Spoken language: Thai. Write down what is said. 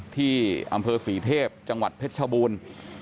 ที่อำเภอศรีเทพจังหวัดเพชรชบูรณ์